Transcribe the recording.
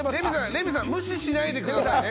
レミさん無視しないでくださいね。